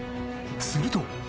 すると。